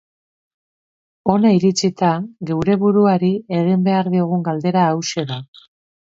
Hona iritsita, geure buruari egin behar diogun galdera hauxe da.